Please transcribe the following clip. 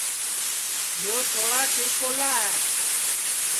یو چھورا چِڑوکلا ہے